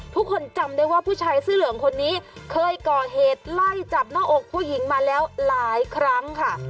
ผู้คนจำได้ว่าผู้ชายเสื้อเหลืองคนนี้เคยก่อเหตุไล่จับหน้าอกผู้หญิงมาแล้วหลายครั้งค่ะ